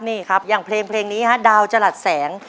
นี่ครับอย่างเพลงนี้ฮะดาวจรัสแสง